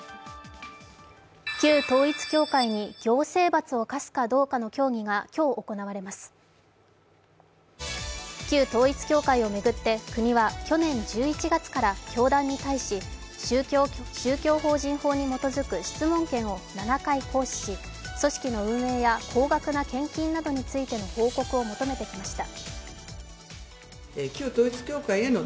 旧統一教会に行政罰を科すかどうかの協議が今日、行われます、旧統一教会を巡って国は去年１１月から教団に対し、宗教法人法に基づく質問権を７回行使し組織の運営や高額な献金などについての報告を求めてきました。